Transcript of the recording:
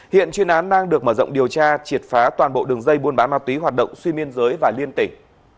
hiện chuyên án đang được mở rộng điều tra triệt phá toàn bộ đường dây buôn bán ma túy hoạt động xuyên biên giới và liên tỉnh